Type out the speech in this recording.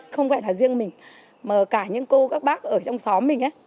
không phải là riêng mình mà cả những cô các bác ở trong xóm mình ấy